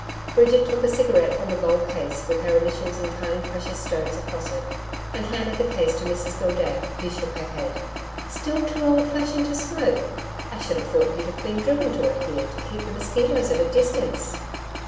Bridget took a cigarette from a gold case with her initials in tiny precious stones across it, and handed the case to Mrs Gildea who shook her head. 'Still too old fashioned to smoke! I should have thought you'd have been driven to it here to keep the mosquitoes at a distance....